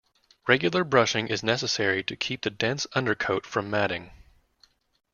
Regular brushing is necessary to keep the dense undercoat from matting.